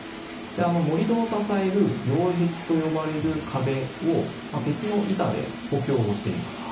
盛土を支える擁壁と呼ばれる壁を鉄の板で補強をしています。